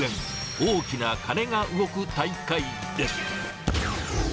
大きな金が動く大会です。